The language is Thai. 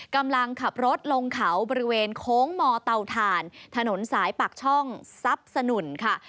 กำลังขับรถลงเขาบริเวณโค้งมอเตาถ่านถนนสายปากช่องทรัพย์สนุนค่ะ